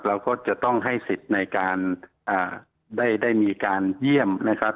เราก็จะต้องให้สิทธิ์ในการได้มีการเยี่ยมนะครับ